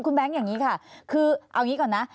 คุณแบงค์อย่างนี้ค่ะคือเอางี้ก่อนนะ